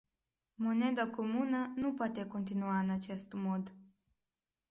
Moneda comună nu poate continua în acest mod.